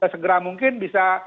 segera mungkin bisa